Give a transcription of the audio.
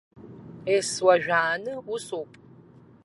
Ес-уажәааны усоуп.